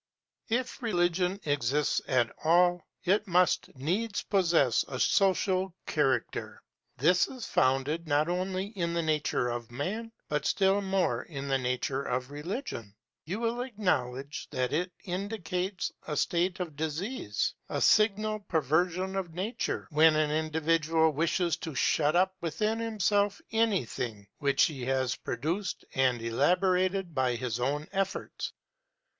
If religion exists at all, it must needs possess a social character; this is founded not only in the nature of man, but still more in the nature of religion. You will acknowledge that it indicates a state of disease, a signal perversion of nature, when an individual wishes to shut up within himself anything which he has produced and elaborated by his own efforts.